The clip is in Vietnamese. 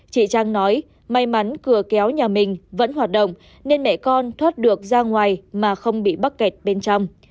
chị trang nói may mắn cửa kéo nhà mình vẫn hoạt động nên mẹ con thoát được ra ngoài mà không bị mắc kẹt bên trong